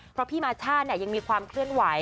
เพราะพี่มาช่ายังมีความเคลื่อนไหว